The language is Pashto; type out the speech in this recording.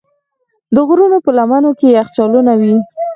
د غرونو په لمنو کې یخچالونه وي.